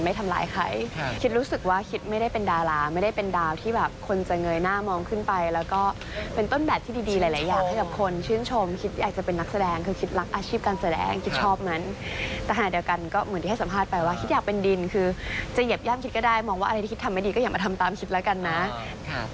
มีความรู้สึกว่ามีความรู้สึกว่ามีความรู้สึกว่ามีความรู้สึกว่ามีความรู้สึกว่ามีความรู้สึกว่ามีความรู้สึกว่ามีความรู้สึกว่ามีความรู้สึกว่ามีความรู้สึกว่ามีความรู้สึกว่ามีความรู้สึกว่ามีความรู้สึกว่ามีความรู้สึกว่ามีความรู้สึกว่ามีความรู้สึกว